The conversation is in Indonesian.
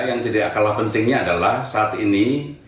yang tidak kalah pentingnya adalah saat ini